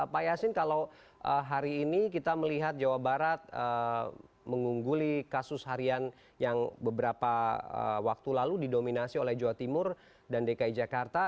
pak yasin kalau hari ini kita melihat jawa barat mengungguli kasus harian yang beberapa waktu lalu didominasi oleh jawa timur dan dki jakarta